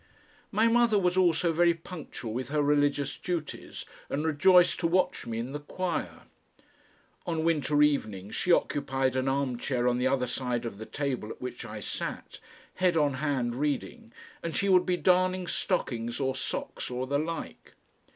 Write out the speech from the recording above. My mother was also very punctual with her religious duties, and rejoiced to watch me in the choir. On winter evenings she occupied an armchair on the other side of the table at which I sat, head on hand reading, and she would be darning stockings or socks or the like.